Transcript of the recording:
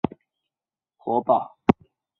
首次登场于探险活宝。